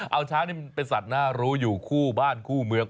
เอาช้างนี่มันเป็นสัตว์น่ารู้อยู่คู่บ้านคู่เมือง